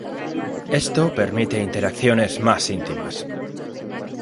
Esto permite interacciones más íntimas.